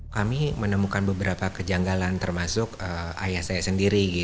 kami menemukan beberapa kejanggalan termasuk ayah saya sendiri